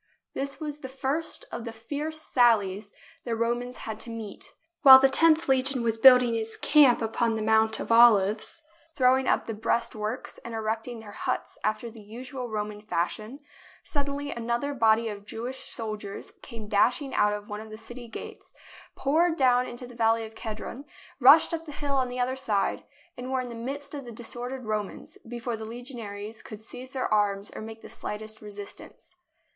This was the first of the fierce sallies the Romans had to meet. A second soon followed. While the Tenth legion was building its camp upon the JERUSALEM Mount of Olives, throwing up the breastworks and erecting their huts after the usual Roman fashion, suddenly another body of Jewish soldiers came dashing out of one of the city gates, poured down into the valley of Kedron, rushed up the hill on the other side, and were in the midst of the disordered Romans, before the legionaries could seize their arms or make the slightest resistance.